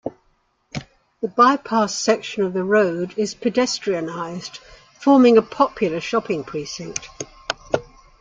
The bypassed section of the road is pedestrianised, forming a popular shopping precinct.